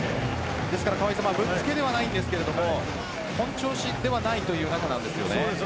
ですからぶっつけではありませんが本調子ではないという中です。